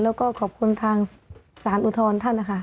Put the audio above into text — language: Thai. แล้วก็ขอบคุณทางสารอุทธรณ์ท่านนะคะ